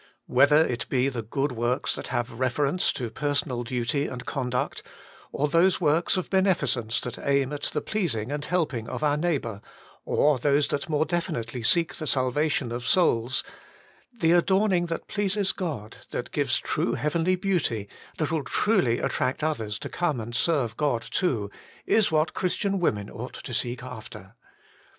Whether it be the good works that have reference to personal duty and con duct, or those works of beneficence that aim at the pleasing and helping of our neigh bour, or those that more definitely seek the salvation of souls — the adorning that pleases God, that gives true heavenly beauty, that will truly attract others to 92 Working for God come and serve God, too, is what Christian women ought to seek after.